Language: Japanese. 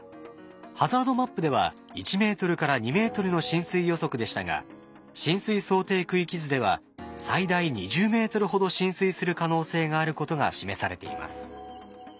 ハザードマップでは１ｍ２ｍの浸水予測でしたが浸水想定区域図では最大２０ｍほど浸水する可能性があることが示されています。